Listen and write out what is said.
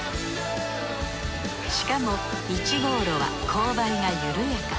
しかも１号路は勾配が緩やか。